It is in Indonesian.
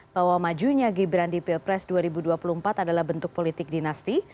bahwa majunya gibran di pilpres dua ribu dua puluh empat adalah bentuk politik dinasti